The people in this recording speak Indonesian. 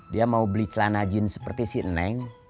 dia mau beli celana jin seperti si neng